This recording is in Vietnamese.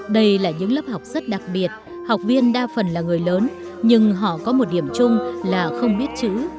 đây là những lớp học rất đặc biệt học viên đa phần là người lớn nhưng họ có một điểm chung là không biết chữ